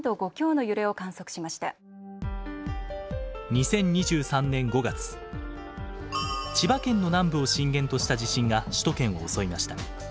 ２０２３年５月千葉県の南部を震源とした地震が首都圏を襲いました。